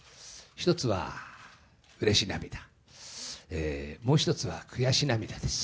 １つはうれし涙、もう１つは悔し涙です。